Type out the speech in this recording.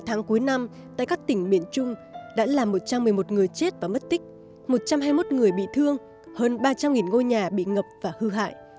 sáu tháng cuối năm tại các tỉnh miền trung đã làm một trăm một mươi một người chết và mất tích một trăm hai mươi một người bị thương hơn ba trăm linh ngôi nhà bị ngập và hư hại